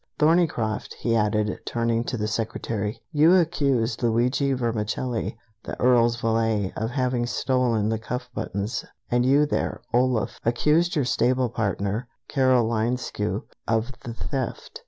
Thorneycroft," he added, turning to the secretary, "you accused Luigi Vermicelli, the Earl's valet, of having stolen the cuff buttons, and you there, Olaf, accused your stable partner, Carol Linescu, of the theft.